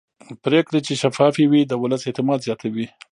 پرېکړې چې شفافې وي د ولس اعتماد زیاتوي